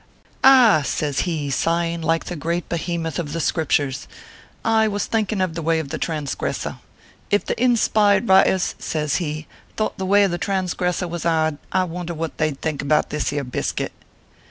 "Ah !" says he, sighing like the great behemoth of the Scriptures, " I was thinking of the way of the transgressor. If the hinspired writers," says he, " thought the way of the transgressor was ard, I wonder what they d think about this ere biscuit."